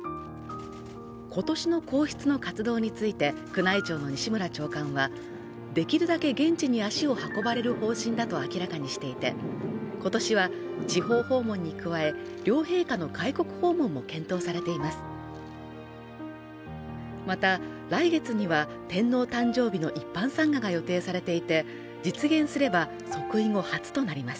今年の皇室の活動について宮内庁の西村長官はできるだけ現地に足を運ばれる方針だと明らかにしていてことしは地方訪問に加え両陛下の外国訪問も検討されています